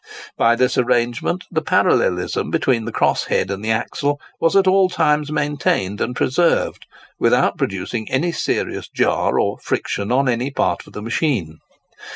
By this arrangement the parallelism between the cross head and the axle was at all times maintained and preserved, without producing any serious jar or friction on any part of the machine.